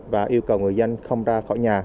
và yêu cầu người dân không ra khỏi nhà